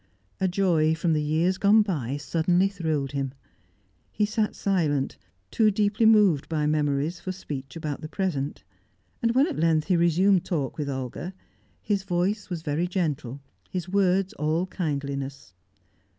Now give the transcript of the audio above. A joy from the years gone by suddenly thrilled him. He sat silent, too deeply moved by memories for speech about the present. And when at length he resumed talk with Olga, his voice was very gentle, his words all kindliness.